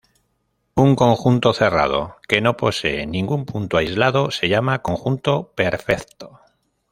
Un conjunto cerrado que no posee ningún punto aislado se llama conjunto perfecto.